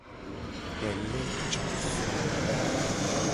Tele co sro a.